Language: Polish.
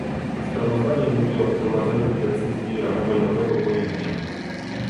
Sprawozdanie mówi o wprowadzeniu w decyzji ramowej nowego pojęcia